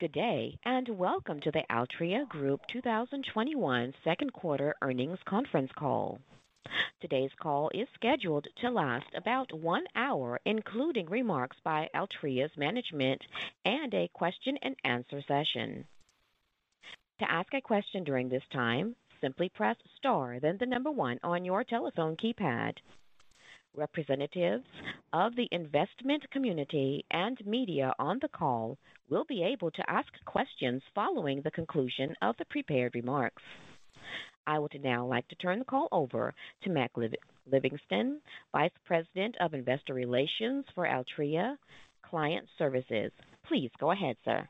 Good day, and welcome to the Altria Group 2021 Second Quarter Earnings Conference Call. Today's call is scheduled to last about one hour, including remarks by Altria's management and a question and answer session. To ask a question during this time, simply press star then the number one on your telephone keypad. Representatives of the investment community and media on the call will be able to ask questions following the conclusion of the prepared remarks. I would now like to turn the call over to Mac Livingston, Vice President of Investor Relations for Altria Client Services. Please go ahead, sir.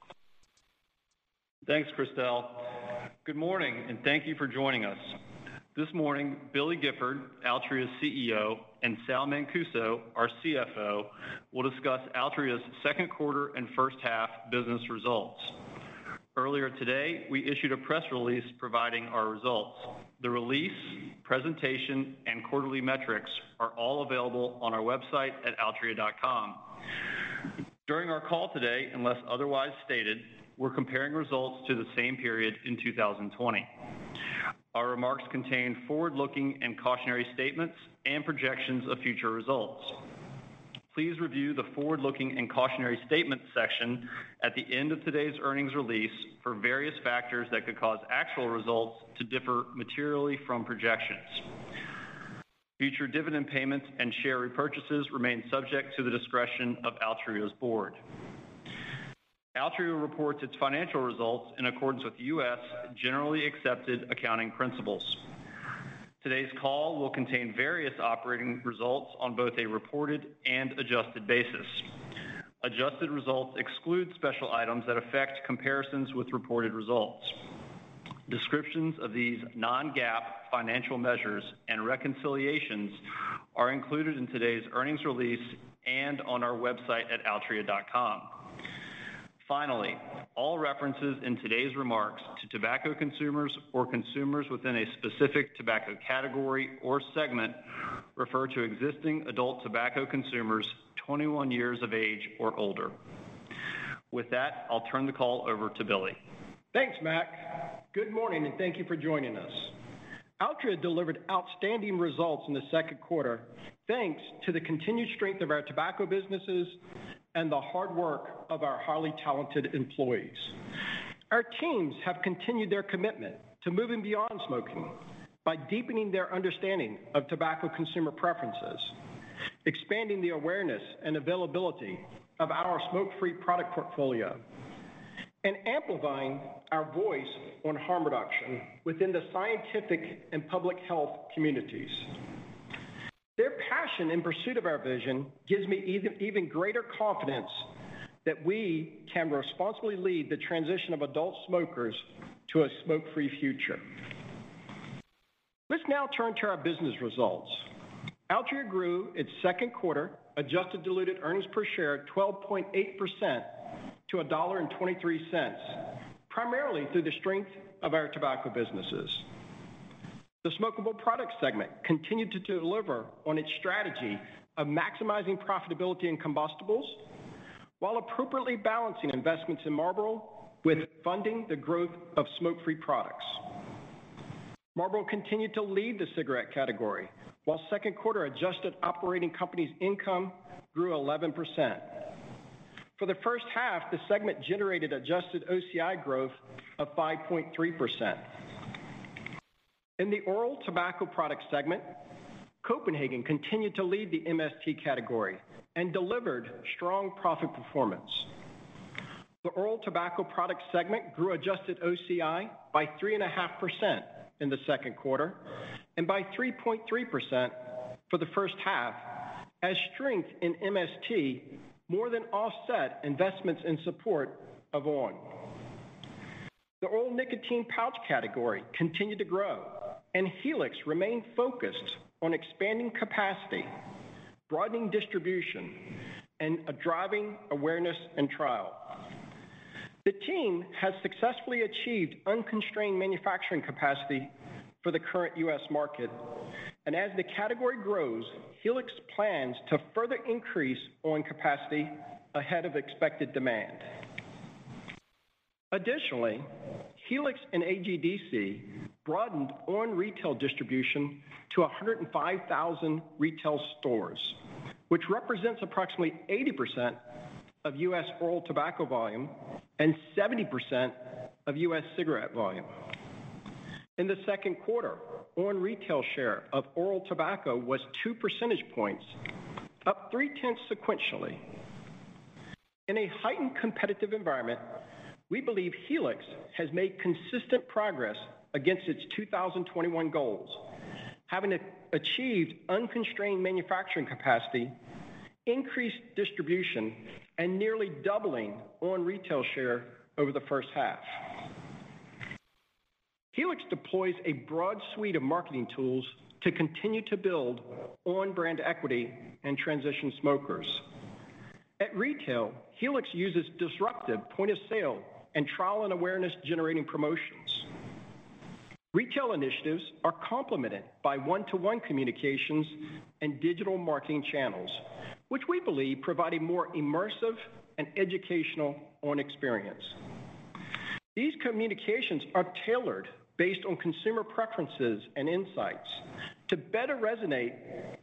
Thanks, Christel. Good morning. Thank you for joining us. This morning, Billy Gifford, Altria's CEO, and Sal Mancuso, our CFO, will discuss Altria's second quarter and first half business results. Earlier today, we issued a press release providing our results. The release, presentation, and quarterly metrics are all available on our website at altria.com. During our call today, unless otherwise stated, we're comparing results to the same period in 2020. Our remarks contain forward-looking and cautionary statements and projections of future results. Please review the forward-looking and cautionary statements section at the end of today's earnings release for various factors that could cause actual results to differ materially from projections. Future dividend payments and share repurchases remain subject to the discretion of Altria's Board. Altria reports its financial results in accordance with U.S. generally accepted accounting principles. Today's call will contain various operating results on both a reported and adjusted basis. Adjusted results exclude special items that affect comparisons with reported results. Descriptions of these non-GAAP financial measures and reconciliations are included in today's earnings release and on our website at altria.com. Finally, all references in today's remarks to tobacco consumers or consumers within a specific tobacco category or segment refer to existing adult tobacco consumers 21 years of age or older. With that, I'll turn the call over to Billy. Thanks, Mac. Good morning, and thank you for joining us. Altria delivered outstanding results in the second quarter, thanks to the continued strength of our tobacco businesses and the hard work of our highly talented employees. Our teams have continued their commitment to moving beyond smoking by deepening their understanding of tobacco consumer preferences, expanding the awareness and availability about our smoke-free product portfolio, and amplifying our voice on harm reduction within the scientific and public health communities. Their passion in pursuit of our vision gives me even greater confidence that we can responsibly lead the transition of adult smokers to a smoke-free future. Let's now turn to our business results. Altria grew its second quarter adjusted diluted earnings per share 12.8% to $1.23, primarily through the strength of our tobacco businesses. The smokable product segment continued to deliver on its strategy of maximizing profitability in combustibles while appropriately balancing investments in Marlboro with funding the growth of smoke-free products. Marlboro continued to lead the cigarette category, while second quarter adjusted operating companies income grew 11%. For the first half, the segment generated adjusted OCI growth of 5.3%. In the oral tobacco product segment, Copenhagen continued to lead the MST category and delivered strong profit performance. The oral tobacco product segment grew adjusted OCI by 3.5% in the second quarter and by 3.3% for the first half as strength in MST more than offset investments in support of on!. The oral nicotine pouch category continued to grow, and Helix remained focused on expanding capacity, broadening distribution, and driving awareness and trial. The team has successfully achieved unconstrained manufacturing capacity for the current U.S. market, and as the category grows, Helix plans to further increase on! capacity ahead of expected demand. Additionally, Helix and AGDC broadened on! retail distribution to 105,000 retail stores, which represents approximately 80% of U.S. oral tobacco volume and 70% of U.S. cigarette volume. In the second quarter, on! retail share of oral tobacco was two percentage points, up 0.3 sequentially. In a heightened competitive environment, we believe Helix has made consistent progress against its 2021 goals, having achieved unconstrained manufacturing capacity, increased distribution, and nearly doubling on! retail share over the first half. Helix deploys a broad suite of marketing tools to continue to build on! brand equity and transition smokers. At retail, Helix uses disruptive point-of-sale and trial and awareness generating promotions. Retail initiatives are complemented by one-to-one communications and digital marketing channels, which we believe provide a more immersive and educational on! experience. These communications are tailored based on consumer preferences and insights to better resonate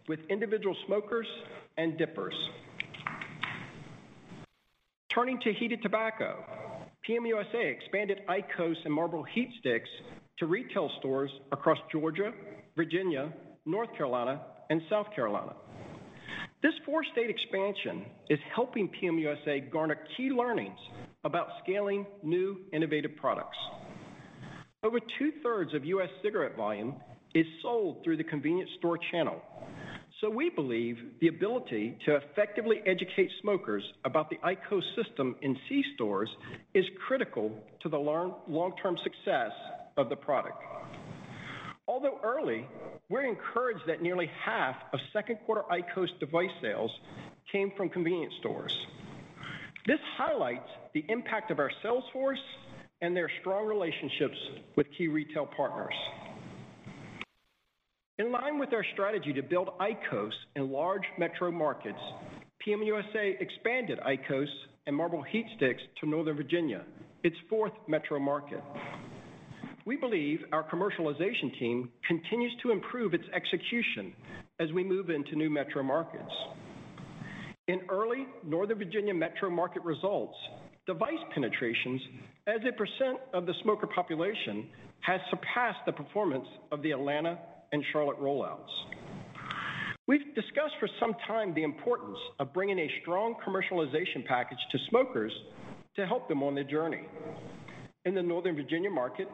with individual smokers and dippers. Turning to heated tobacco, PM USA expanded IQOS and Marlboro HeatSticks to retail stores across Georgia, Virginia, North Carolina, and South Carolina. This four-state expansion is helping PM USA garner key learnings about scaling new innovative products. Over two-thirds of U.S. cigarette volume is sold through the convenience store channel. We believe the ability to effectively educate smokers about the IQOS system in C-stores is critical to the long-term success of the product. Although early, we're encouraged that nearly half of second quarter IQOS device sales came from convenience stores. This highlights the impact of our sales force and their strong relationships with key retail partners. In line with our strategy to build IQOS in large metro markets, PM USA expanded IQOS and Marlboro HeatSticks to Northern Virginia, its fourth metro market. We believe our commercialization team continues to improve its execution as we move into new metro markets. In early Northern Virginia metro market results, device penetrations as a percent of the smoker population has surpassed the performance of the Atlanta and Charlotte rollouts. We've discussed for some time the importance of bringing a strong commercialization package to smokers to help them on their journey. In the Northern Virginia market,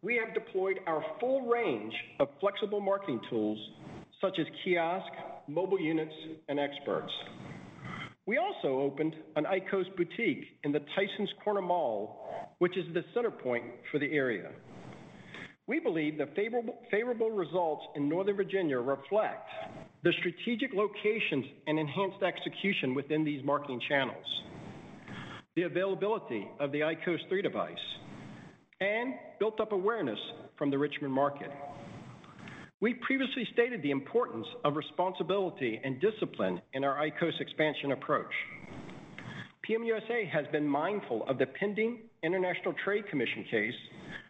we have deployed our full range of flexible marketing tools such as kiosk, mobile units, and experts. We also opened an IQOS boutique in the Tysons Corner Mall, which is the center point for the area. We believe the favorable results in Northern Virginia reflect the strategic locations and enhanced execution within these marketing channels, the availability of the IQOS 3 device, and built up awareness from the Richmond market. We previously stated the importance of responsibility and discipline in our IQOS expansion approach. PM USA has been mindful of the pending International Trade Commission case,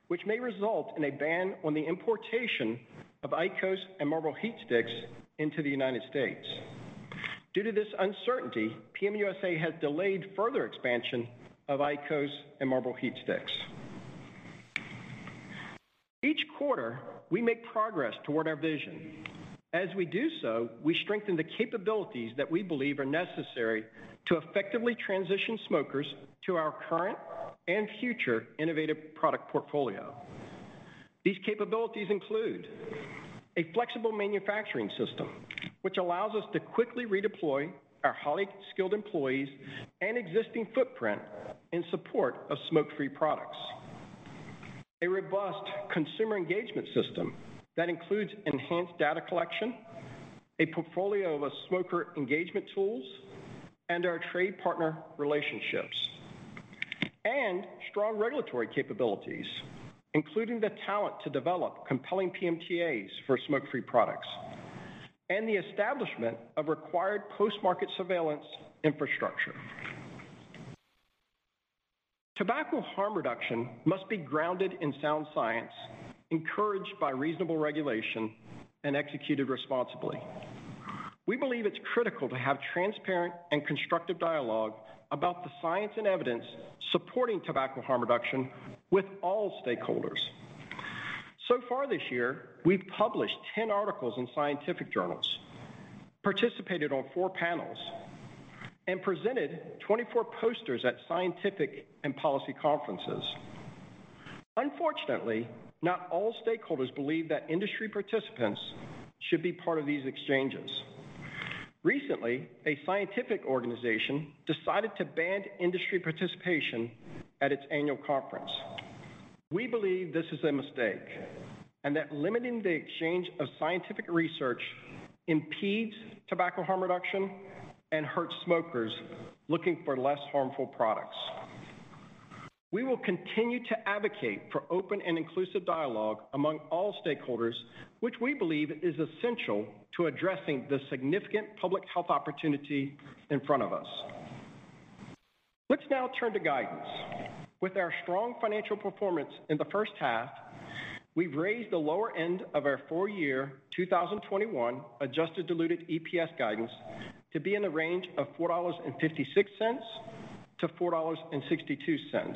which may result in a ban on the importation of IQOS and Marlboro HeatSticks into the United States. Due to this uncertainty, PM USA has delayed further expansion of IQOS and Marlboro HeatSticks. Each quarter, we make progress toward our vision. As we do so, we strengthen the capabilities that we believe are necessary to effectively transition smokers to our current and future innovative product portfolio. These capabilities include a flexible manufacturing system, which allows us to quickly redeploy our highly skilled employees and existing footprint in support of smoke-free products. A robust consumer engagement system that includes enhanced data collection, a portfolio of smoker engagement tools, and our trade partner relationships. Strong regulatory capabilities, including the talent to develop compelling PMTAs for smoke-free products, and the establishment of required post-market surveillance infrastructure. Tobacco harm reduction must be grounded in sound science, encouraged by reasonable regulation, and executed responsibly. We believe it's critical to have transparent and constructive dialogue about the science and evidence supporting tobacco harm reduction with all stakeholders. So far this year, we've published 10 articles in scientific journals, participated on four panels, and presented 24 posters at scientific and policy conferences. Unfortunately, not all stakeholders believe that industry participants should be part of these exchanges. Recently, a scientific organization decided to ban industry participation at its annual conference. We believe this is a mistake, and that limiting the exchange of scientific research impedes tobacco harm reduction and hurts smokers looking for less harmful products. We will continue to advocate for open and inclusive dialogue among all stakeholders, which we believe is essential to addressing the significant public health opportunity in front of us. Let's now turn to guidance. With our strong financial performance in the first half, we've raised the lower end of our full year 2021 adjusted diluted EPS guidance to be in the range of $4.56-$4.62.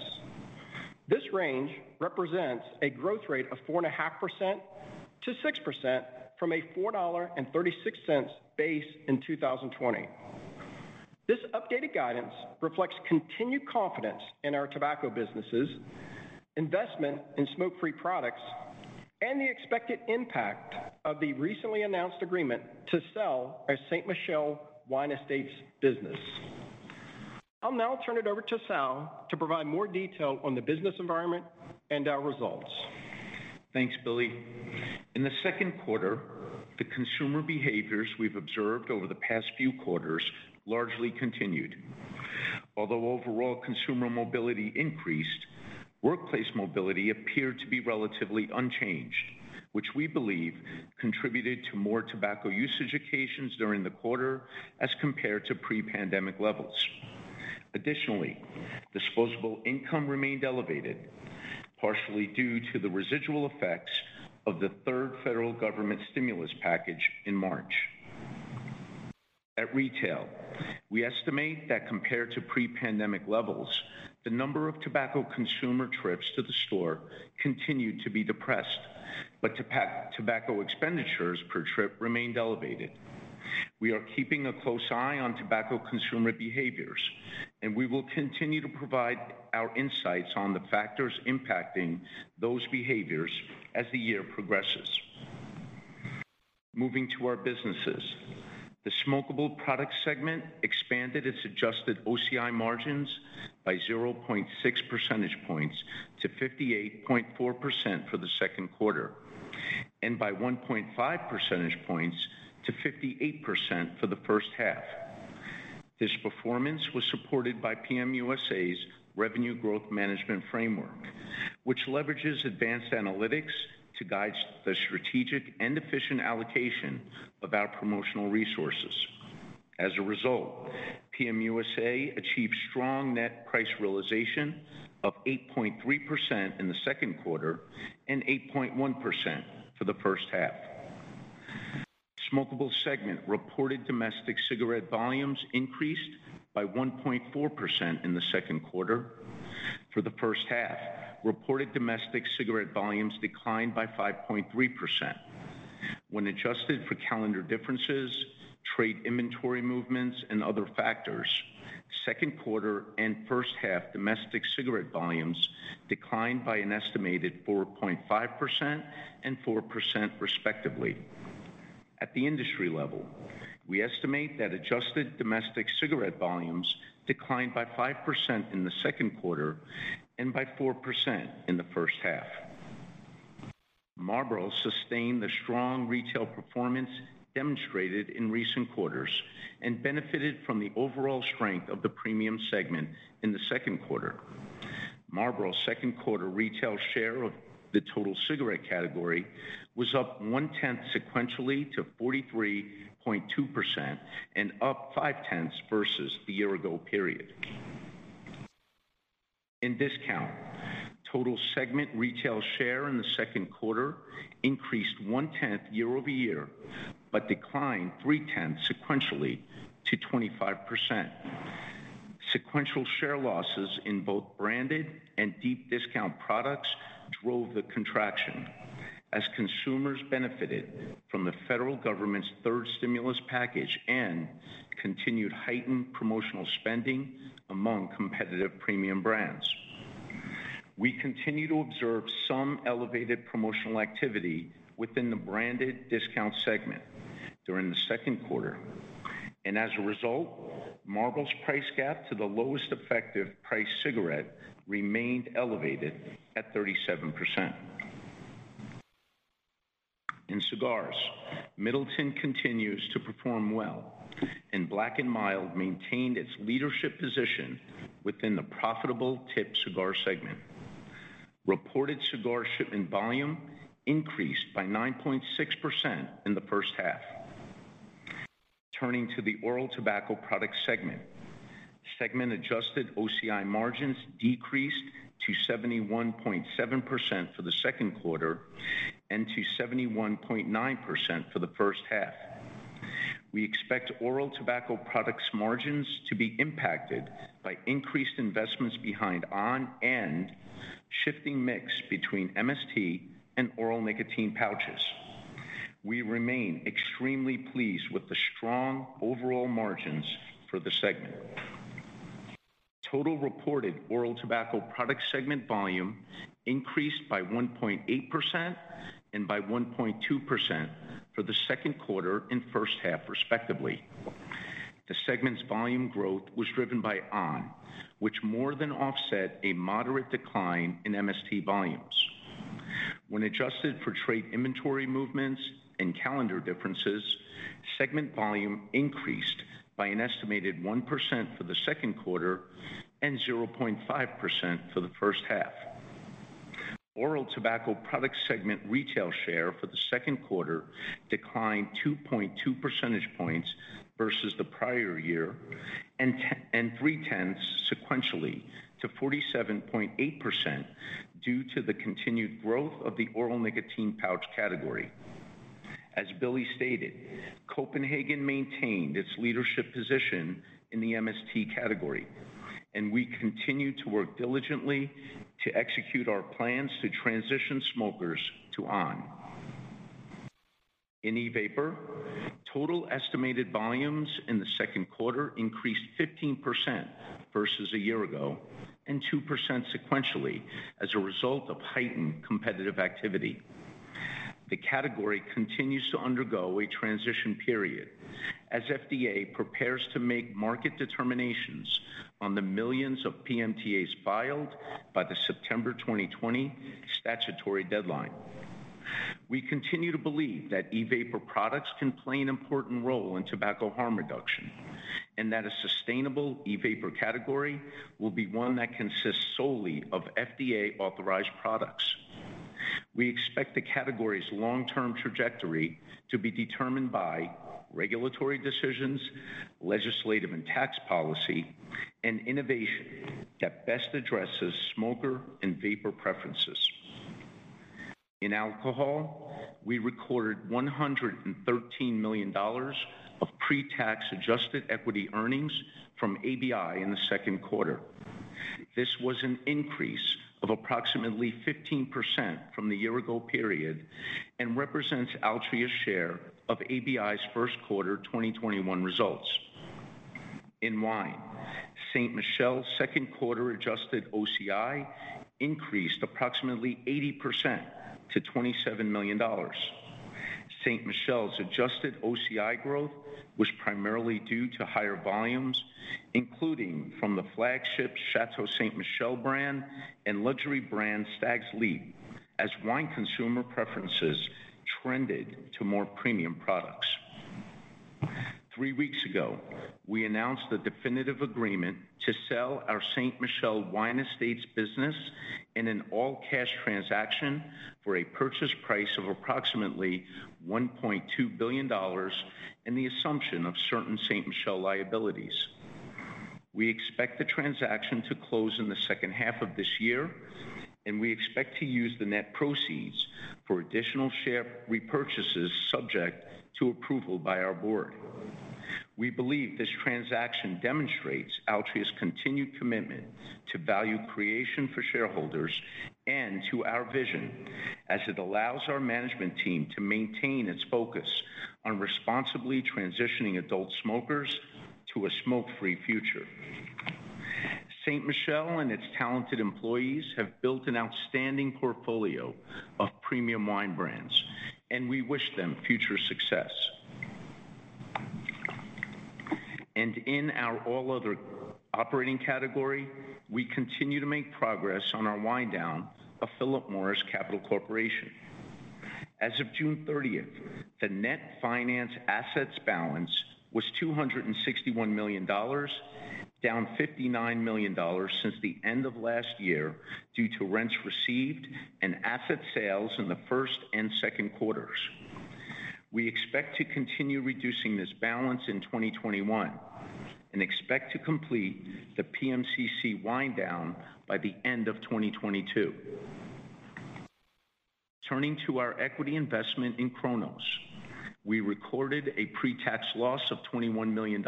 This range represents a growth rate of 4.5%-6% from a $4.36 base in 2020. This updated guidance reflects continued confidence in our tobacco businesses, investment in smoke-free products, and the expected impact of the recently announced agreement to sell our Ste. Michelle Wine Estates business. I'll now turn it over to Sal to provide more detail on the business environment and our results. Thanks, Billy. In the second quarter, the consumer behaviors we've observed over the past few quarters largely continued. Overall consumer mobility increased, workplace mobility appeared to be relatively unchanged, which we believe contributed to more tobacco usage occasions during the quarter as compared to pre-pandemic levels. Additionally, disposable income remained elevated, partially due to the residual effects of the third federal government stimulus package in March. At retail, we estimate that compared to pre-pandemic levels, the number of tobacco consumer trips to the store continued to be depressed, but tobacco expenditures per trip remained elevated. We are keeping a close eye on tobacco consumer behaviors, we will continue to provide our insights on the factors impacting those behaviors as the year progresses. Moving to our businesses. The Smokable product segment expanded its adjusted OCI margins by 0.6 percentage points to 58.4% for the second quarter, and by 1.5 percentage points to 58% for the first half. This performance was supported by PM USA's revenue growth management framework, which leverages advanced analytics to guide the strategic and efficient allocation of our promotional resources. As a result, PM USA achieved strong net price realization of 8.3% in the second quarter and 8.1% for the first half. Smokable segment reported domestic cigarette volumes increased by 1.4% in the second quarter. For the first half, reported domestic cigarette volumes declined by 5.3%. When adjusted for calendar differences, trade inventory movements, and other factors, second quarter and first half domestic cigarette volumes declined by an estimated 4.5% and 4%, respectively. At the industry level, we estimate that adjusted domestic cigarette volumes declined by 5% in the second quarter and by 4% in the first half. Marlboro sustained the strong retail performance demonstrated in recent quarters and benefited from the overall strength of the premium segment in the second quarter. Marlboro's second quarter retail share of the total cigarette category was up 0.1 sequentially to 43.2% and up 0.5 versus the year-ago period. In discount, total segment retail share in the second quarter increased 0.1 year-over-year, but declined 0.3 sequentially to 25%. Sequential share losses in both branded and deep discount products drove the contraction as consumers benefited from the federal government's third stimulus package and continued heightened promotional spending among competitive premium brands. We continue to observe some elevated promotional activity within the branded discount segment during the second quarter. As a result, Marlboro's price gap to the lowest effective price cigarette remained elevated at 37%. In cigars, Middleton continues to perform well. Black & Mild maintained its leadership position within the profitable tipped cigar segment. Reported cigar shipment volume increased by 9.6% in the first half. Turning to the oral tobacco product segment. Segment adjusted OCI margins decreased to 71.7% for the second quarter and to 71.9% for the first half. We expect oral tobacco products margins to be impacted by increased investments behind on! and shifting mix between MST and oral nicotine pouches. We remain extremely pleased with the strong overall margins for the segment. Total reported oral tobacco product segment volume increased by 1.8% and by 1.2% for the second quarter and first half, respectively. The segment's volume growth was driven by on!, which more than offset a moderate decline in MST volumes. When adjusted for trade inventory movements and calendar differences, segment volume increased by an estimated 1% for the second quarter and 0.5% for the first half. Oral tobacco product segment retail share for the second quarter declined 2.2 percentage points versus the prior year and 0.3 sequentially to 47.8% due to the continued growth of the oral nicotine pouch category. As Billy stated, Copenhagen maintained its leadership position in the MST category, and we continue to work diligently to execute our plans to transition smokers to on!. In e-vapor, total estimated volumes in the second quarter increased 15% versus a year ago and 2% sequentially as a result of heightened competitive activity. The category continues to undergo a transition period as FDA prepares to make market determinations on the millions of PMTAs filed by the September 2020 statutory deadline. We continue to believe that e-vapor products can play an important role in tobacco harm reduction, and that a sustainable e-vapor category will be one that consists solely of FDA-authorized products. We expect the category's long-term trajectory to be determined by regulatory decisions, legislative and tax policy, and innovation that best addresses smoker and vapor preferences. In alcohol, we recorded $113 million of pre-tax adjusted equity earnings from ABI in the second quarter. This was an increase of approximately 15% from the year-ago period and represents Altria's share of ABI's first quarter 2021 results. In wine, Ste. Michelle's second quarter adjusted OCI increased approximately 80% to $27 million. Michelle's adjusted OCI growth was primarily due to higher volumes, including from the flagship Chateau Ste. Michelle brand and luxury brand, Stag's Leap, as wine consumer preferences trended to more premium products. three weeks ago, we announced the definitive agreement to sell our Ste. Michelle Wine Estates business in an all-cash transaction for a purchase price of approximately $1.2 billion and the assumption of certain Ste. Michelle liabilities. We expect the transaction to close in the second half of this year, and we expect to use the net proceeds for additional share repurchases subject to approval by our board. We believe this transaction demonstrates Altria's continued commitment to value creation for shareholders and to our vision as it allows our management team to maintain its focus on responsibly transitioning adult smokers to a smoke-free future. Ste. Michelle and its talented employees have built an outstanding portfolio of premium wine brands, and we wish them future success. In our all other operating category, we continue to make progress on our wind down of Philip Morris Capital Corporation. As of June 30th, the net finance assets balance was $261 million, down $59 million since the end of last year due to rents received and asset sales in the first and second quarters. We expect to continue reducing this balance in 2021, and expect to complete the PMCC wind down by the end of 2022. Turning to our equity investment in Cronos, we recorded a pre-tax loss of $21 million,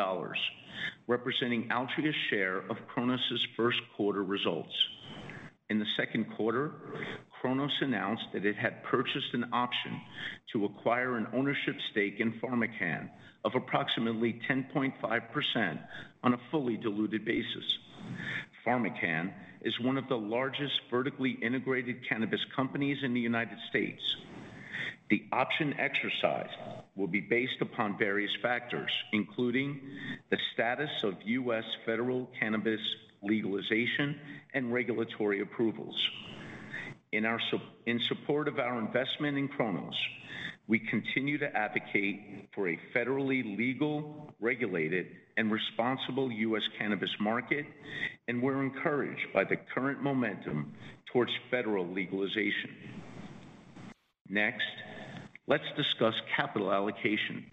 representing Altria's share of Cronos' first quarter results. In the second quarter, Cronos announced that it had purchased an option to acquire an ownership stake in PharmaCann of approximately 10.5% on a fully diluted basis. PharmaCann is one of the largest vertically integrated cannabis companies in the United States. The option exercised will be based upon various factors, including the status of U.S. federal cannabis legalization and regulatory approvals. In support of our investment in Cronos, we continue to advocate for a federally legal, regulated, and responsible U.S. cannabis market, and we're encouraged by the current momentum towards federal legalization. Next, let's discuss capital allocation.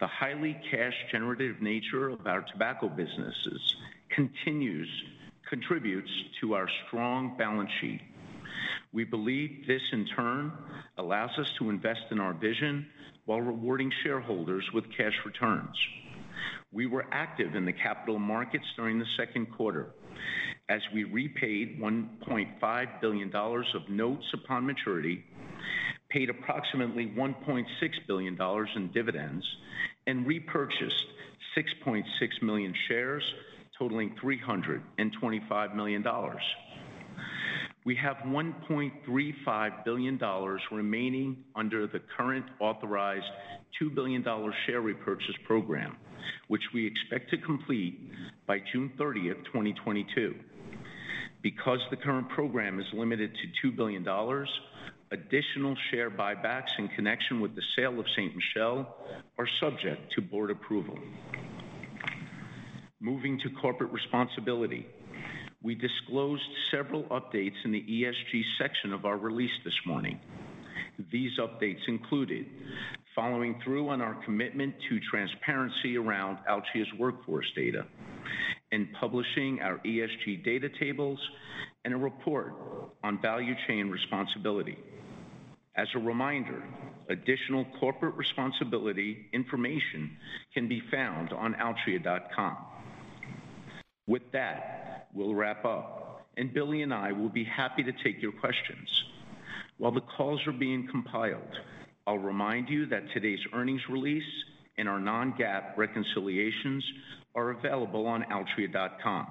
The highly cash-generative nature of our tobacco businesses contributes to our strong balance sheet. We believe this, in turn, allows us to invest in our vision while rewarding shareholders with cash returns. We were active in the capital markets during the second quarter as we repaid $1.5 billion of notes upon maturity, paid approximately $1.6 billion in dividends, and repurchased 6.6 million shares totaling $325 million. We have $1.35 billion remaining under the current authorized $2 billion share repurchase program, which we expect to complete by June 30th, 2022. Because the current program is limited to $2 billion, additional share buybacks in connection with the sale of Ste. Michelle are subject to board approval. Moving to corporate responsibility. We disclosed several updates in the ESG section of our release this morning. These updates included following through on our commitment to transparency around Altria's workforce data, and publishing our ESG data tables, and a report on value chain responsibility. As a reminder, additional corporate responsibility information can be found on altria.com. With that, we'll wrap up, and Billy and I will be happy to take your questions. While the calls are being compiled, I'll remind you that today's earnings release and our non-GAAP reconciliations are available on altria.com.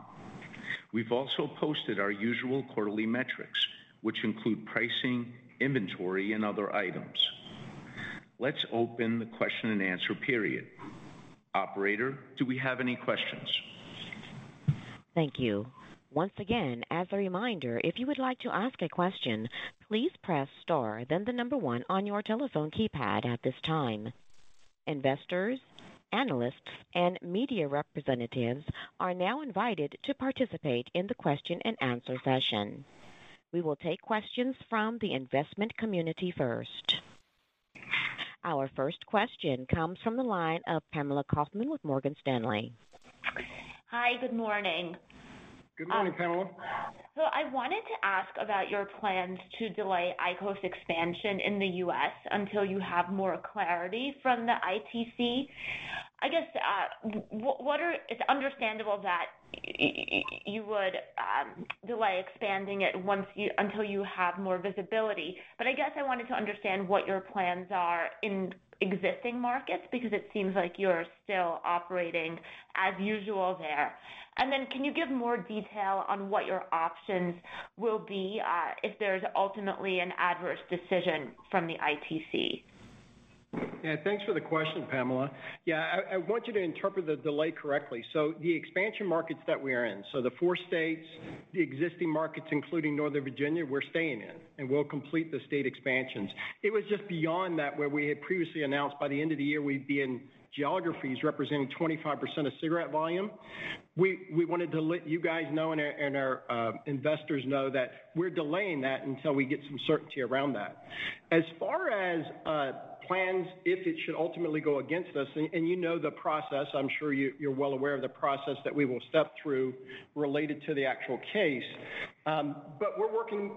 We've also posted our usual quarterly metrics, which include pricing, inventory, and other items. Let's open the question and answer period. Operator, do we have any questions? Thank you. Once again, as a reminder, if you would like to ask a question, please press star then one on your telephone keypad at this time. Investors, analysts, and media representatives are now invited to participate in the question-and-answer session. We will take questions from the investment community first. Our first question comes from the line of Pamela Kaufman with Morgan Stanley. Hi. Good morning. Good morning, Pamela. I wanted to ask about your plans to delay IQOS expansion in the U.S. until you have more clarity from the ITC. It's understandable that you would delay expanding it until you have more visibility, but I wanted to understand what your plans are in existing markets, because it seems like you're still operating as usual there. Can you give more detail on what your options will be, if there's ultimately an adverse decision from the ITC? Yeah, thanks for the question, Pamela Kaufman. Yeah, I want you to interpret the delay correctly. The expansion markets that we are in, the four states, the existing markets including Northern Virginia, we're staying in, and we'll complete the state expansions. It was just beyond that where we had previously announced by the end of the year, we'd be in geographies representing 25% of cigarette volume. We wanted to let you guys know, and our investors know that we're delaying that until we get some certainty around that. As far as plans, if it should ultimately go against us, and you know the process, I'm sure you're well aware of the process that we will step through related to the actual case. We're working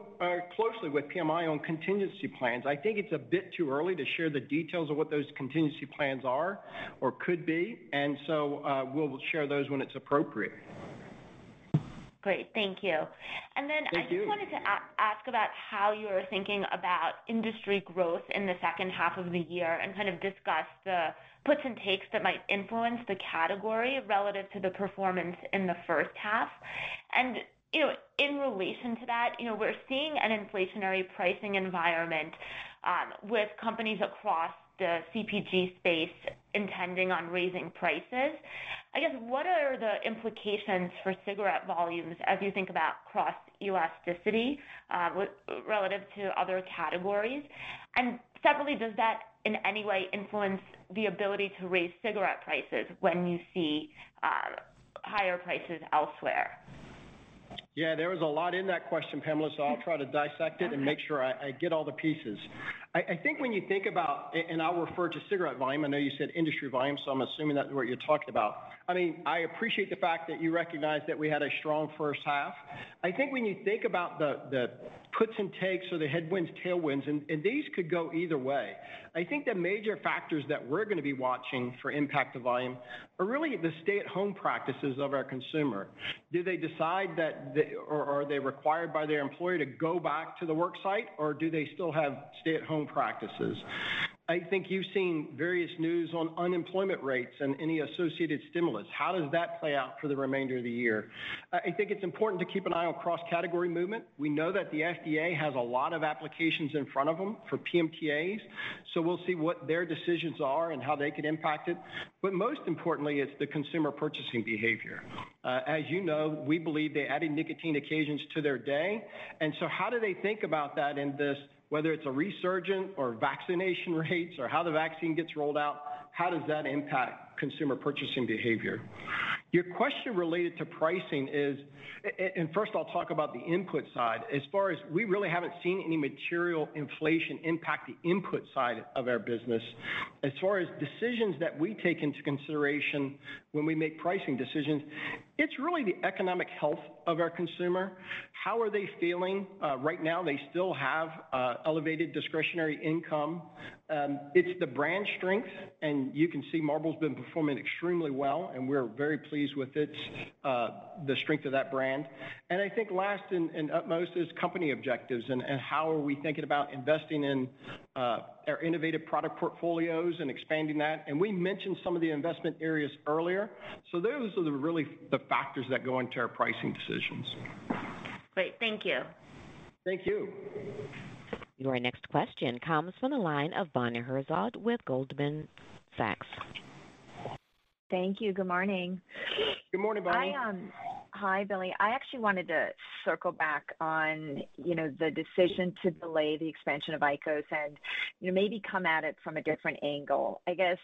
closely with PMI on contingency plans. I think it's a bit too early to share the details of what those contingency plans are or could be. We'll share those when it's appropriate. Great. Thank you. Thank you. Then I just wanted to ask about how you're thinking about industry growth in the second half of the year and kind of discuss the puts and takes that might influence the category relative to the performance in the first half. In relation to that, we're seeing an inflationary pricing environment with companies across the CPG space intending on raising prices. I guess, what are the implications for cigarette volumes as you think about cross elasticity relative to other categories? Separately, does that in any way influence the ability to raise cigarette prices when you see higher prices elsewhere? Yeah, there was a lot in that question, Pamela, so I'll try to dissect it and make sure I get all the pieces. I think when you think about And I'll refer to cigarette volume. I know you said industry volume, so I'm assuming that's what you're talking about. I appreciate the fact that you recognize that we had a strong first half. I think when you think about the puts and takes or the headwinds, tailwinds, and these could go either way, I think the major factors that we're going to be watching for impact to volume are really the stay-at-home practices of our consumer. Do they decide that, or are they required by their employer to go back to the work site, or do they still have stay-at-home practices? I think you've seen various news on unemployment rates and any associated stimulus. How does that play out for the remainder of the year? I think it's important to keep an eye on cross-category movement. We know that the FDA has a lot of applications in front of them for PMTAs, so we'll see what their decisions are and how they could impact it. Most importantly, it's the consumer purchasing behavior. As you know, we believe they're adding nicotine occasions to their day, how do they think about that in this, whether it's a resurgent or vaccination rates, or how the vaccine gets rolled out, how does that impact consumer purchasing behavior? First I'll talk about the input side. We really haven't seen any material inflation impact the input side of our business. As far as decisions that we take into consideration when we make pricing decisions, it's really the economic health of our consumer. How are they feeling? Right now they still have elevated discretionary income. It's the brand strength, and you can see Marlboro's been performing extremely well, and we're very pleased with the strength of that brand. I think last and utmost is company objectives and how are we thinking about investing in our innovative product portfolios and expanding that. We mentioned some of the investment areas earlier. Those are really the factors that go into our pricing decisions. Great. Thank you. Thank you. Your next question comes from the line of Bonnie Herzog with Goldman Sachs. Thank you. Good morning. Good morning, Bonnie. Hi, Billy. I actually wanted to circle back on the decision to delay the expansion of IQOS and maybe come at it from a different angle. I guess,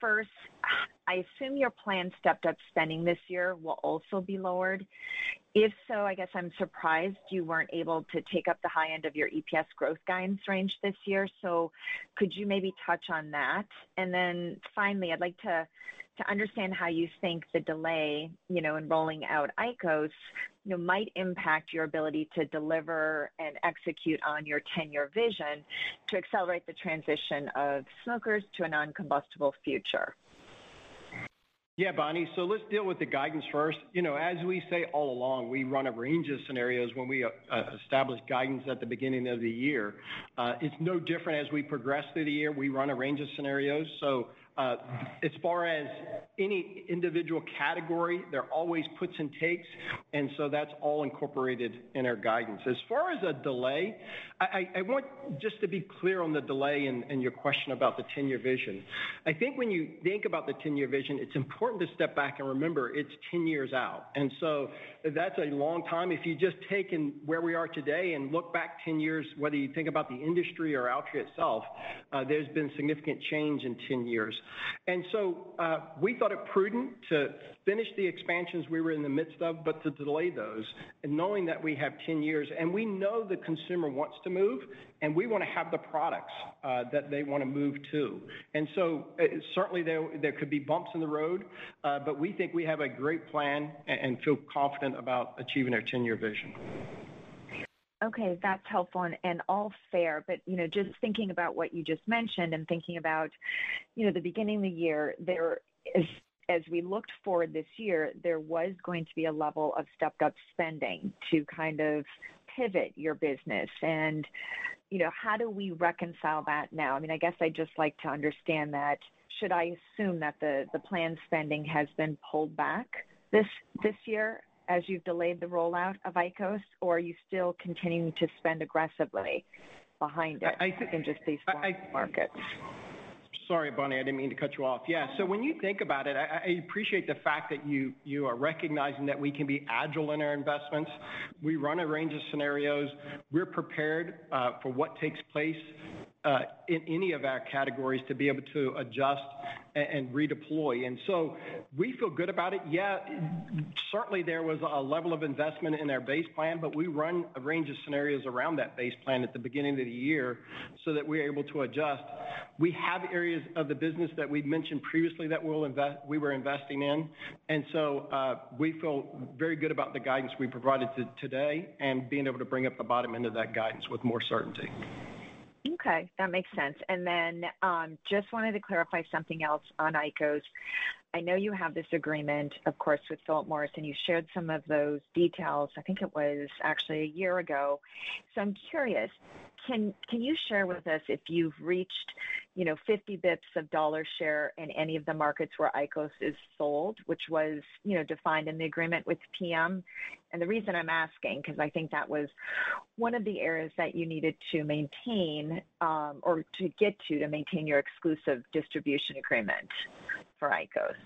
first, I assume your planned stepped up spending this year will also be lowered. If so, I guess I'm surprised you weren't able to take up the high end of your EPS growth guidance range this year. Could you maybe touch on that? Finally, I'd like to understand how you think the delay in rolling out IQOS might impact your ability to deliver and execute on your 10-year vision to accelerate the transition of smokers to a non-combustible future. Yeah, Bonnie. Let's deal with the guidance first. As we say all along, we run a range of scenarios when we establish guidance at the beginning of the year. It's no different as we progress through the year, we run a range of scenarios. As far as any individual category, there always puts and takes, that's all incorporated in our guidance. As far as a delay, I want just to be clear on the delay and your question about the 10-year vision. I think when you think about the 10-year vision, it's important to step back and remember it's 10 years out. That's a long time. If you've just taken where we are today and look back 10 years, whether you think about the industry or Altria itself, there's been significant change in 10 years. We thought it prudent to finish the expansions we were in the midst of, but to delay those and knowing that we have 10 years. We know the consumer wants to move, and we want to have the products that they want to move to. Certainly there could be bumps in the road, but we think we have a great plan and feel confident about achieving our 10-year vision. Okay. That's helpful and all fair, just thinking about what you just mentioned and thinking about the beginning of the year, as we looked forward this year, there was going to be a level of stepped-up spending to kind of pivot your business. How do we reconcile that now? I guess I'd just like to understand that, should I assume that the planned spending has been pulled back this year as you've delayed the rollout of IQOS, or are you still continuing to spend aggressively behind it? I think- in just these markets? Sorry, Bonnie, I didn't mean to cut you off. Yeah. When you think about it, I appreciate the fact that you are recognizing that we can be agile in our investments. We run a range of scenarios. We're prepared for what takes place in any of our categories to be able to adjust and redeploy. We feel good about it. Yeah, certainly there was a level of investment in our base plan, but we run a range of scenarios around that base plan at the beginning of the year so that we're able to adjust. We have areas of the business that we've mentioned previously that we were investing in. We feel very good about the guidance we provided today and being able to bring up the bottom end of that guidance with more certainty. Okay. That makes sense. Then, just wanted to clarify something else on IQOS. I know you have this agreement, of course, with Philip Morris, and you shared some of those details, I think it was actually a year ago. I'm curious, can you share with us if you've reached 50 basis points of dollar share in any of the markets where IQOS is sold, which was defined in the agreement with PM? The reason I'm asking, because I think that was one of the areas that you needed to maintain or to get to maintain your exclusive distribution agreement for IQOS.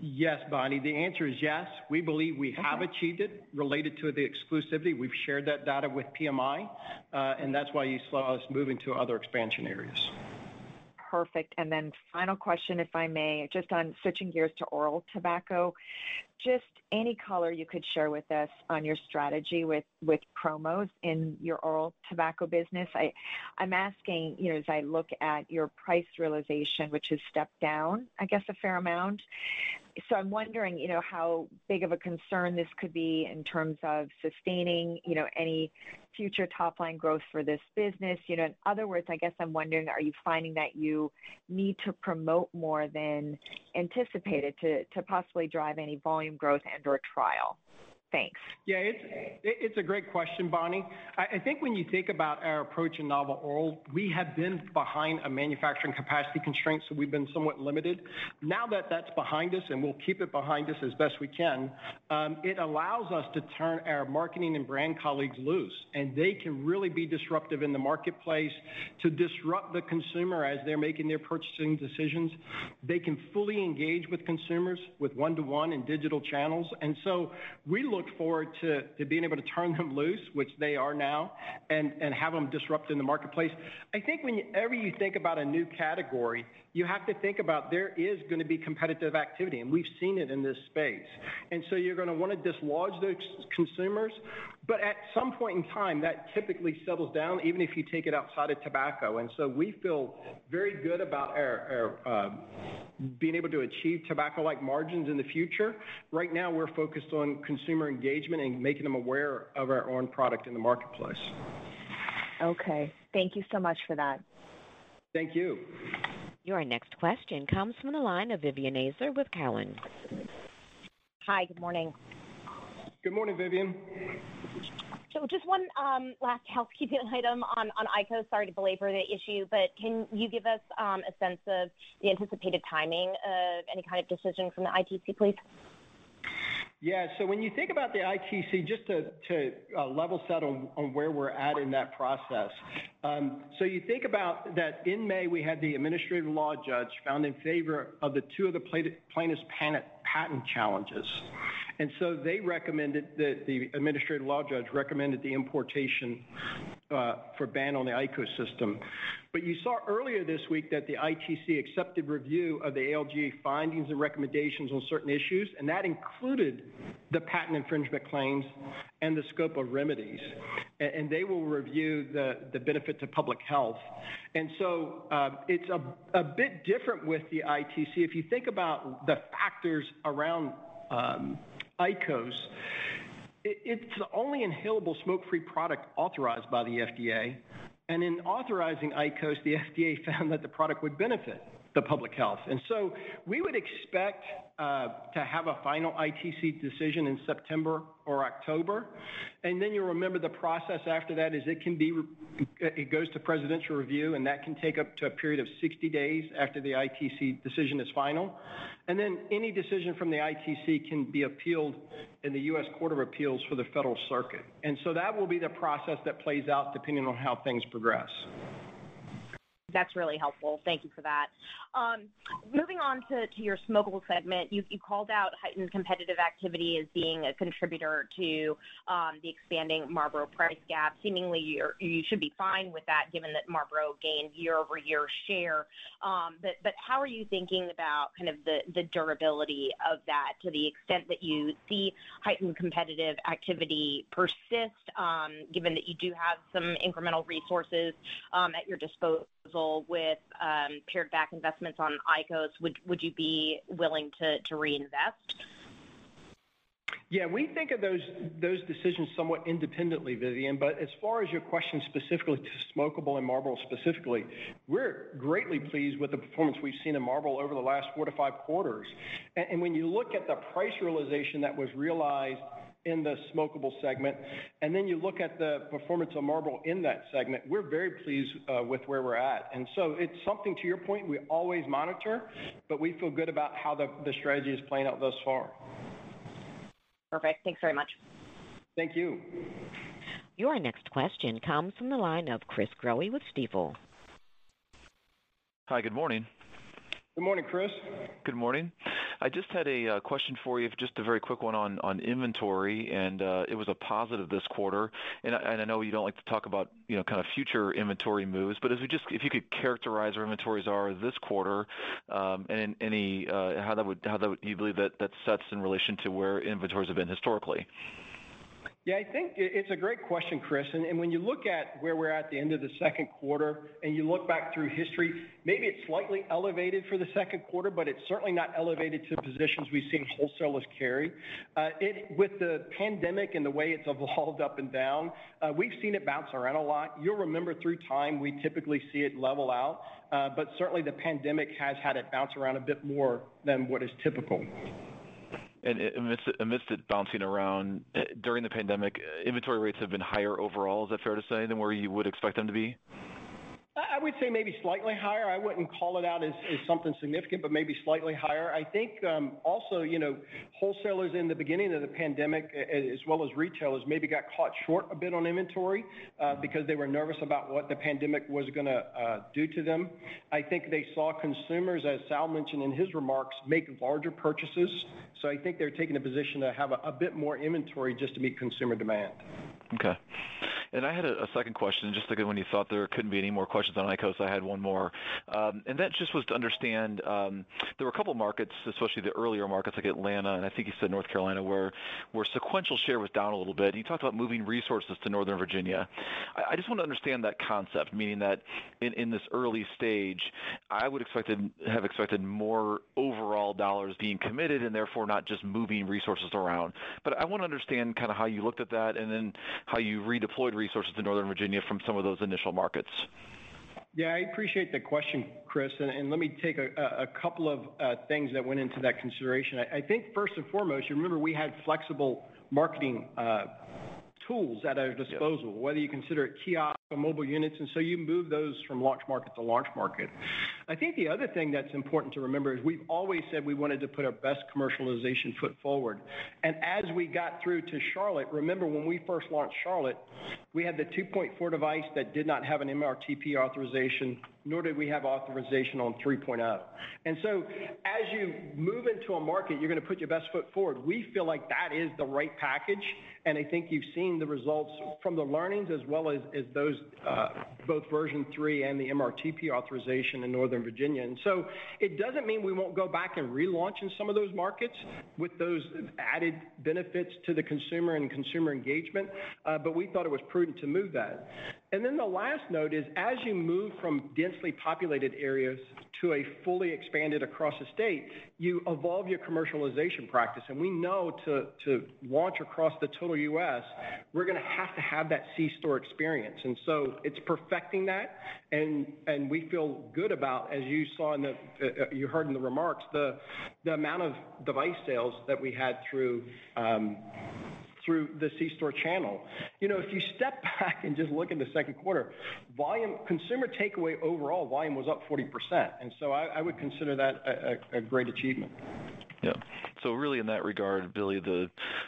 Yes, Bonnie. The answer is yes. We believe we have achieved it related to the exclusivity. We've shared that data with PMI, and that's why you saw us moving to other expansion areas. Perfect. Final question, if I may, just on switching gears to oral tobacco, just any color you could share with us on your strategy with promos in your oral tobacco business. I'm asking, as I look at your price realization, which has stepped down, I guess, a fair amount. I'm wondering how big of a concern this could be in terms of sustaining any future top-line growth for this business. In other words, I guess I'm wondering, are you finding that you need to promote more than anticipated to possibly drive any volume growth and/or trial? Thanks. Yeah. It's a great question, Bonnie. I think when you think about our approach in novel oral, we have been behind a manufacturing capacity constraint, so we've been somewhat limited. Now that that's behind us, and we'll keep it behind us as best we can, it allows us to turn our marketing and brand colleagues loose, and they can really be disruptive in the marketplace to disrupt the consumer as they're making their purchasing decisions. They can fully engage with consumers with one-to-one in digital channels. We look forward to being able to turn them loose, which they are now, and have them disrupt in the marketplace. I think whenever you think about a new category, you have to think about there is going to be competitive activity, and we've seen it in this space. You're going to want to dislodge those consumers. At some point in time, that typically settles down, even if you take it outside of tobacco. We feel very good about our being able to achieve tobacco-like margins in the future. Right now, we're focused on consumer engagement and making them aware of our on! product in the marketplace. Okay. Thank you so much for that. Thank you. Your next question comes from the line of Vivien Azer with Cowen. Hi, good morning. Good morning, Vivien. Just one last housekeeping item on IQOS. Sorry to belabor the issue, but can you give us a sense of the anticipated timing of any kind of decision from the ITC, please? Yeah. When you think about the ITC, just to level set on where we're at in that process. You think about that in May, we had the administrative law judge found in favor of the two of the plaintiffs' patent challenges. They recommended that the administrative law judge recommended the importation for ban on the IQOS system. You saw earlier this week that the ITC accepted review of the ALJ findings and recommendations on certain issues, and that included the patent infringement claims and the scope of remedies. They will review the benefit to public health. It's a bit different with the ITC. If you think about the factors around IQOS. It's the only inhalable smoke-free product authorized by the FDA, and in authorizing IQOS, the FDA found that the product would benefit the public health. We would expect to have a final ITC decision in September or October. You'll remember the process after that is it goes to presidential review, and that can take up to a period of 60 days after the ITC decision is final. Any decision from the ITC can be appealed in the U.S. Court of Appeals for the Federal Circuit. That will be the process that plays out depending on how things progress. That's really helpful. Thank you for that. Moving on to your smokeable segment, you called out heightened competitive activity as being a contributor to the expanding Marlboro price gap. Seemingly, you should be fine with that given that Marlboro gained year-over-year share. How are you thinking about the durability of that to the extent that you see heightened competitive activity persist, given that you do have some incremental resources at your disposal with pared-back investments on IQOS? Would you be willing to reinvest? Yeah. We think of those decisions somewhat independently, Vivien. As far as your question specifically to smokeable and Marlboro specifically, we're greatly pleased with the performance we've seen in Marlboro over the last four to five quarters. When you look at the price realization that was realized in the smokeable segment, and then you look at the performance of Marlboro in that segment, we're very pleased with where we're at. It's something, to your point, we always monitor, but we feel good about how the strategy is playing out thus far. Perfect. Thanks very much. Thank you. Your next question comes from the line of Chris Growe with Stifel. Hi. Good morning. Good morning, Chris. Good morning. I just had a question for you, just a very quick one on inventory, and it was a positive this quarter. I know you don't like to talk about future inventory moves, but if you could characterize where inventories are this quarter, and how you believe that sets in relation to where inventories have been historically. Yeah, I think it's a great question, Chris. When you look at where we're at at the end of the second quarter, and you look back through history, maybe it's slightly elevated for the second quarter, but it's certainly not elevated to positions we've seen wholesalers carry. With the pandemic and the way it's evolved up and down, we've seen it bounce around a lot. You'll remember through time, we typically see it level out. Certainly, the pandemic has had it bounce around a bit more than what is typical. Amidst it bouncing around, during the pandemic, inventory rates have been higher overall, is that fair to say, than where you would expect them to be? I would say maybe slightly higher. I wouldn't call it out as something significant, but maybe slightly higher. I think also, wholesalers in the beginning of the pandemic, as well as retailers, maybe got caught short a bit on inventory because they were nervous about what the pandemic was going to do to them. I think they saw consumers, as Sal mentioned in his remarks, make larger purchases. I think they're taking a position to have a bit more inventory just to meet consumer demand. Okay. I had a second question, just when you thought there couldn't be any more questions on IQOS, I had one more. That just was to understand, there were a couple markets, especially the earlier markets like Atlanta, and I think you said North Carolina, where sequential share was down a little bit, and you talked about moving resources to Northern Virginia. I just want to understand that concept, meaning that in this early stage, I would have expected more overall dollars being committed and therefore not just moving resources around. I want to understand how you looked at that and then how you redeployed resources to Northern Virginia from some of those initial markets. Yeah, I appreciate the question, Chris. Let me take a couple of things that went into that consideration. I think first and foremost, you remember we had flexible marketing tools at our disposal. Yeah. Whether you consider it kiosk or mobile units, you move those from launch market to launch market. I think the other thing that's important to remember is we've always said we wanted to put our best commercialization foot forward. As we got through to Charlotte, remember when we first launched Charlotte, we had the 2.4 device that did not have an MRTP authorization, nor did we have authorization on 3.0. As you move into a market, you're going to put your best foot forward. We feel like that is the right package, and I think you've seen the results from the learnings as well as both version 3 and the MRTP authorization in Northern Virginia. It doesn't mean we won't go back and relaunch in some of those markets with those added benefits to the consumer and consumer engagement, but we thought it was prudent to move that. The last note is, as you move from densely populated areas to a fully expanded across the state, you evolve your commercialization practice. We know to launch across the total U.S., we're going to have to have that c-store experience. It's perfecting that, and we feel good about, as you heard in the remarks, the amount of device sales that we had through the c-store channel. If you step back and just look in the second quarter, consumer takeaway overall volume was up 40%, and so I would consider that a great achievement. Yeah. Really in that regard, Billy, the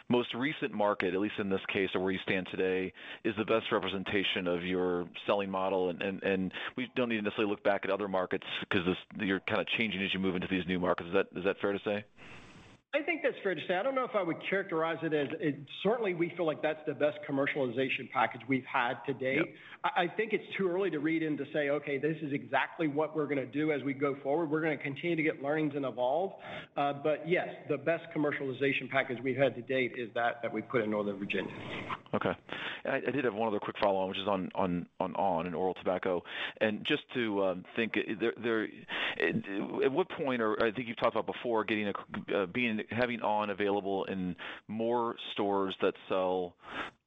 most recent market, at least in this case of where you stand today, is the best representation of your selling model, and we don't need to necessarily look back at other markets because you're kind of changing as you move into these new markets. Is that fair to say? I think that's fair to say. I don't know if I would characterize it. Certainly, we feel like that's the best commercialization package we've had to date. Yeah. I think it's too early to read in to say, "Okay, this is exactly what we're going to do as we go forward." We're going to continue to get learnings and evolve. But yes, the best commercialization package we've had to date is that that we put in Northern Virginia. Okay. I did have one other quick follow-on, which is on on! and oral tobacco. I think you've talked about before having on! available in more stores that sell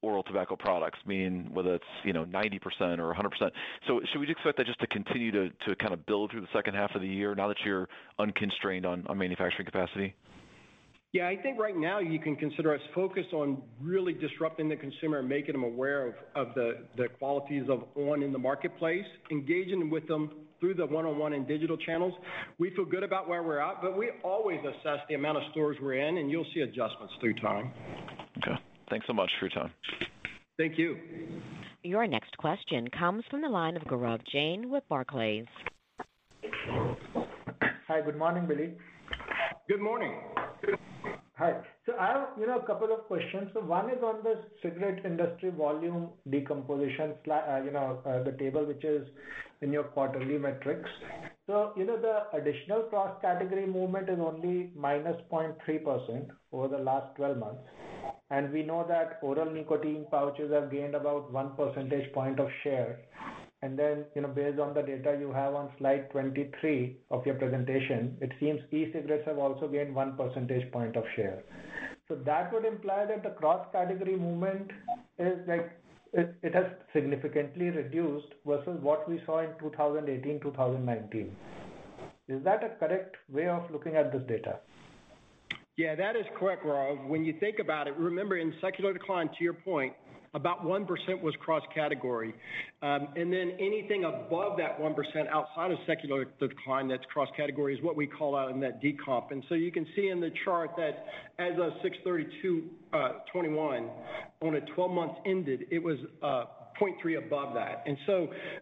oral tobacco products, whether that's 90% or 100%. Should we just expect that just to continue to build through the second half of the year now that you're unconstrained on manufacturing capacity? I think right now you can consider us focused on really disrupting the consumer and making them aware of the qualities of on! in the marketplace, engaging with them through the one-on-one and digital channels. We feel good about where we're at, but we always assess the amount of stores we're in, and you'll see adjustments through time. Okay. Thanks so much for your time. Thank you. Your next question comes from the line of Gaurav Jain with Barclays. Hi, good morning, Billy. Good morning. Hi. I have a couple of questions. One is on the cigarette industry volume decomposition slide, the table which is in your quarterly metrics. The additional cross-category movement is only minus 0.3% over the last 12 months, and we know that oral nicotine pouches have gained about 1 percentage point of share. Based on the data you have on slide 23 of your presentation, it seems e-cigarettes have also gained 1 percentage point of share. That would imply that the cross-category movement has significantly reduced versus what we saw in 2018, 2019. Is that a correct way of looking at this data? Yeah, that is correct, Gaurav. When you think about it, remember in secular decline, to your point, about 1% was cross-category. Anything above that 1% outside of secular decline that's cross-category is what we call out in that decomp. You can see in the chart that as of 06/30/2021, when the 12 months ended, it was 0.3% above that.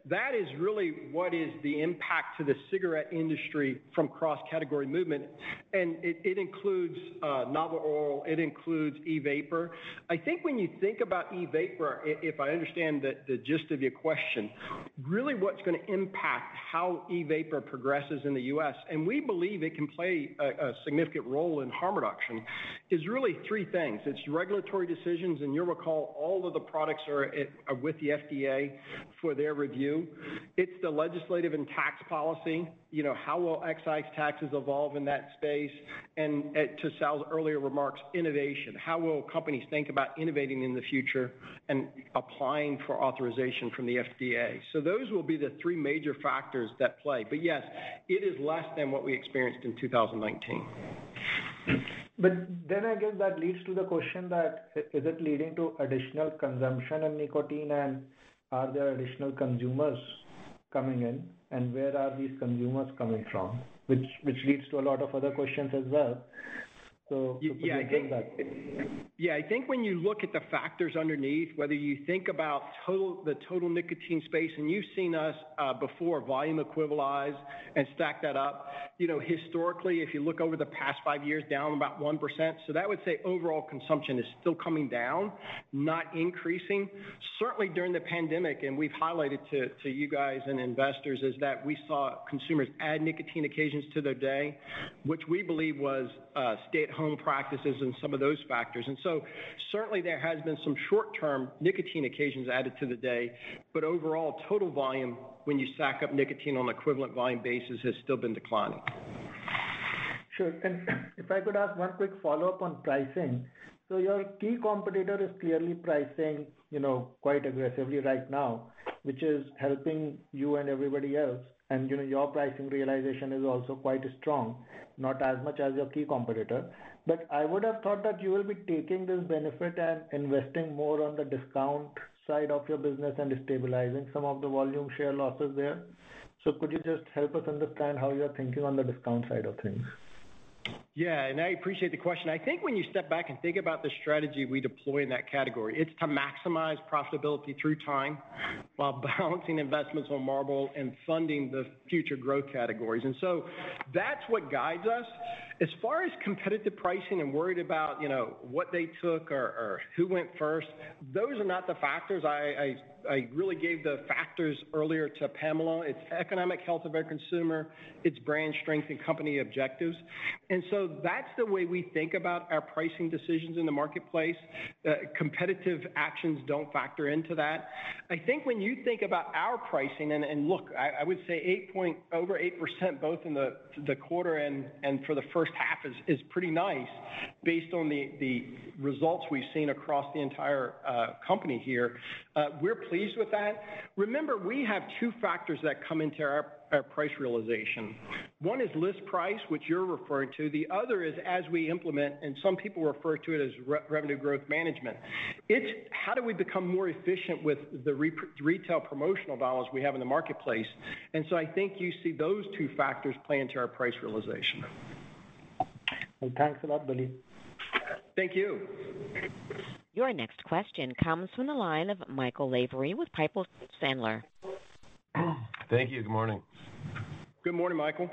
That is really what is the impact to the cigarette industry from cross-category movement, and it includes novel oral, it includes e-vapor. I think when you think about e-vapor, if I understand the gist of your question, really what's going to impact how e-vapor progresses in the U.S., and we believe it can play a significant role in harm reduction, is really three things. It's regulatory decisions, and you'll recall all of the products are with the FDA for their review. It's the legislative and tax policy, how will excise taxes evolve in that space, and to Sal's earlier remarks, innovation, how will companies think about innovating in the future and applying for authorization from the FDA? Those will be the three major factors that play. Yes, it is less than what we experienced in 2019. I guess that leads to the question that is it leading to additional consumption of nicotine, and are there additional consumers coming in, and where are these consumers coming from? Which leads to a lot of other questions as well. Could you address that? Yeah. I think when you look at the factors underneath, whether you think about the total nicotine space, and you've seen us before volume equivalize and stack that up, historically, if you look over the past five years, down about 1%. That would say overall consumption is still coming down, not increasing. Certainly, during the pandemic, and we've highlighted to you guys and investors, is that we saw consumers add nicotine occasions to their day, which we believe was stay-at-home practices and some of those factors. Certainly there has been some short-term nicotine occasions added to the day, but overall total volume, when you stack up nicotine on an equivalent volume basis, has still been declining. Sure. If I could ask one quick follow-up on pricing. Your key competitor is clearly pricing quite aggressively right now, which is helping you and everybody else, and your pricing realization is also quite strong, not as much as your key competitor. I would have thought that you will be taking this benefit and investing more on the discount side of your business and stabilizing some of the volume share losses there. Could you just help us understand how you're thinking on the discount side of things? I appreciate the question. I think when you step back and think about the strategy we deploy in that category, it's to maximize profitability through time while balancing investments on Marlboro and funding the future growth categories. That's what guides us. As far as competitive pricing and worried about what they took or who went first, those are not the factors. I really gave the factors earlier to Pamela. It's economic health of our consumer, it's brand strength and company objectives. That's the way we think about our pricing decisions in the marketplace. Competitive actions don't factor into that. I think when you think about our pricing, and look, I would say over 8% both in the quarter and for the first half is pretty nice based on the results we've seen across the entire company here. We're pleased with that. Remember, we have two factors that come into our price realization. One is list price, which you're referring to. The other is as we implement, some people refer to it as revenue growth management. It's how do we become more efficient with the retail promotional dollars we have in the marketplace. I think you see those two factors play into our price realization. Well, thanks a lot, Billy. Thank you. Your next question comes from the line of Michael Lavery with Piper Sandler. Thank you. Good morning. Good morning, Michael.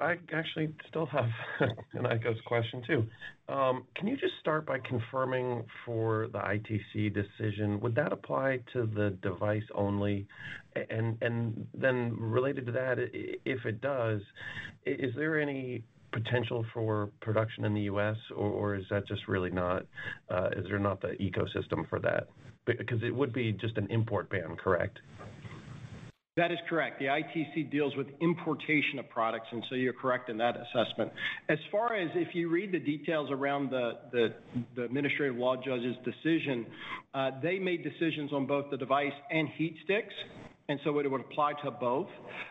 I actually still have an IQOS question too. Can you just start by confirming for the ITC decision, would that apply to the device only? Related to that, if it does, is there any potential for production in the U.S. or is there not the ecosystem for that? Because it would be just an import ban, correct? That is correct. The ITC deals with importation of products, and so you're correct in that assessment. As far as if you read the details around the Administrative Law Judge's decision, they made decisions on both the device and HeatSticks, and so it would apply to both.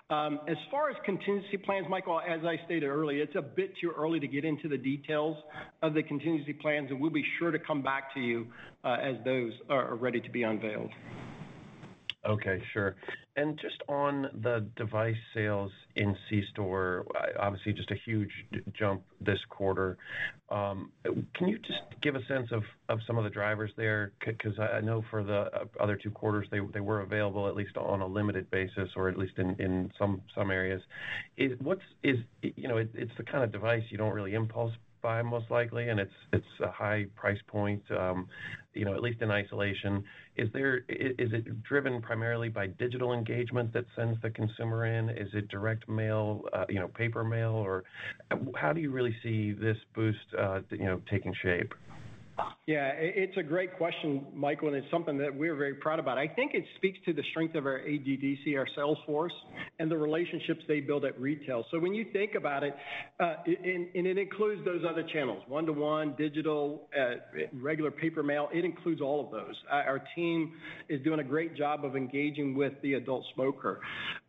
As far as contingency plans, Michael, as I stated earlier, it's a bit too early to get into the details of the contingency plans, and we'll be sure to come back to you as those are ready to be unveiled. Okay, sure. Just on the device sales in c-store, obviously just a huge jump this quarter. Can you just give a sense of some of the drivers there? I know for the other two quarters, they were available at least on a limited basis or at least in some areas. It's the kind of device you don't really impulse buy most likely, and it's a high price point, at least in isolation. Is it driven primarily by digital engagement that sends the consumer in? Is it direct mail, paper mail? How do you really see this boost taking shape? Yeah, it's a great question, Michael, and it's something that we're very proud about. I think it speaks to the strength of our AGDC, our sales force, and the relationships they build at retail. When you think about it, and it includes those other channels, one-to-one, digital, regular paper mail, it includes all of those. Our team is doing a great job of engaging with the adult smoker.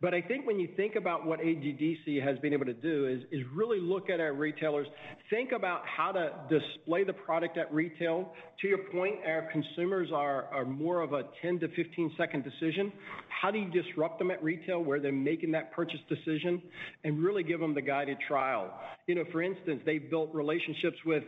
I think when you think about what AGDC has been able to do is really look at our retailers, think about how to display the product at retail. To your point, our consumers are more of a 10-15-second decision. How do you disrupt them at retail, where they're making that purchase decision and really give them the guided trial? For instance, they've built relationships with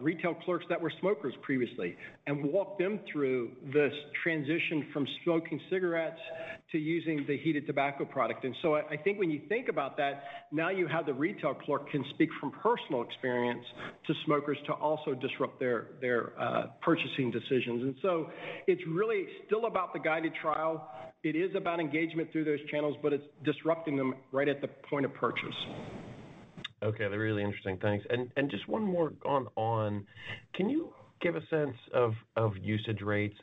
retail clerks that were smokers previously and walked them through this transition from smoking cigarettes to using the heated tobacco product. I think when you think about that, now you have the retail clerk can speak from personal experience to smokers to also disrupt their purchasing decisions. It's really still about the guided trial. It is about engagement through those channels, but it's disrupting them right at the point of purchase. Okay, really interesting. Thanks. Just one more on, can you give a sense of usage rates?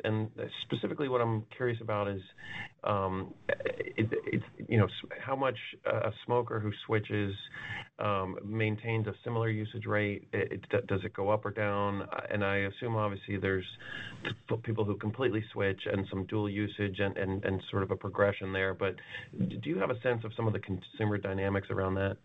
Specifically what I'm curious about is how much a smoker who switches maintains a similar usage rate. Does it go up or down? I assume obviously there's people who completely switch and some dual usage and sort of a progression there. Do you have a sense of some of the consumer dynamics around that?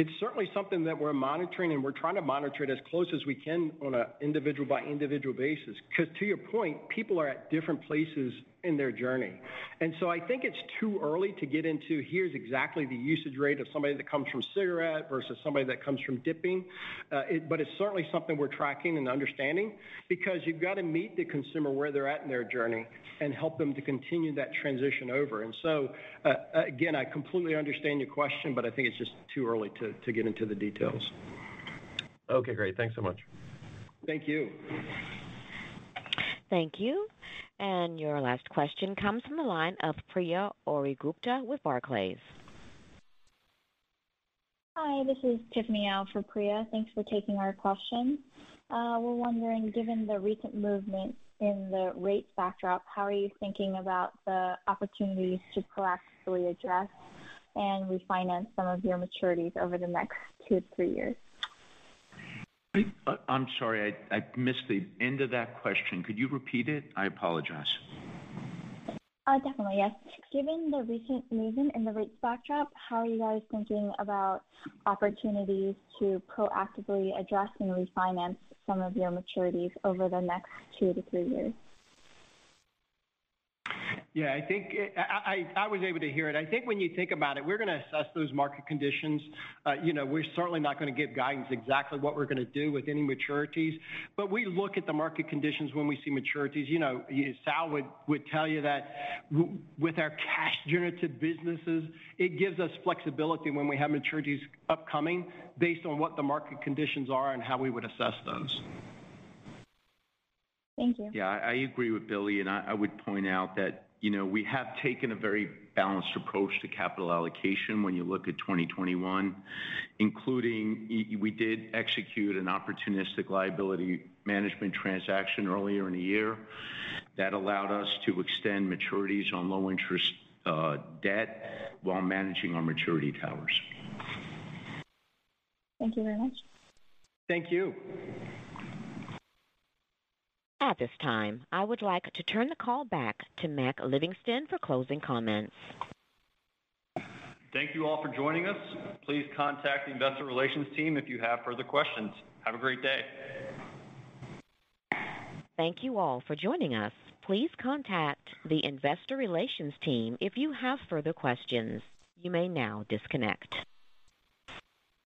It's certainly something that we're monitoring, and we're trying to monitor it as close as we can on an individual by individual basis. Because to your point, people are at different places in their journey. I think it's too early to get into here's exactly the usage rate of somebody that comes from cigarette versus somebody that comes from dipping. It's certainly something we're tracking and understanding because you've got to meet the consumer where they're at in their journey and help them to continue that transition over. Again, I completely understand your question, but I think it's just too early to get into the details. Okay, great. Thanks so much. Thank you. Thank you. Your last question comes from the line of Priya Ohri-Gupta with Barclays. Hi, this is Tiffany Al for Priya. Thanks for taking our question. We're wondering, given the recent movement in the rates backdrop, how are you thinking about the opportunities to proactively address and refinance some of your maturities over the next two to three years? I'm sorry, I missed the end of that question. Could you repeat it? I apologize. Definitely, yes. Given the recent movement in the rates backdrop, how are you guys thinking about opportunities to proactively address and refinance some of your maturities over the next two to three years? Yeah, I was able to hear it. I think when you think about it, we're going to assess those market conditions. We're certainly not going to give guidance exactly what we're going to do with any maturities. We look at the market conditions when we see maturities. Sal would tell you that with our cash generative businesses, it gives us flexibility when we have maturities upcoming based on what the market conditions are and how we would assess those. Thank you. Yeah, I agree with Billy. I would point out that we have taken a very balanced approach to capital allocation when you look at 2021, including we did execute an opportunistic liability management transaction earlier in the year that allowed us to extend maturities on low interest debt while managing our maturity towers. Thank you very much. Thank you. At this time, I would like to turn the call back to Mac Livingston for closing comments. Thank you all for joining us. Please contact the investor relations team if you have further questions. Have a great day. Thank you all for joining us. Please contact the investor relations team if you have further questions. You may now disconnect.